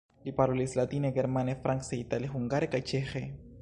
Li parolis latine, germane, france, itale, hungare kaj ĉeĥe.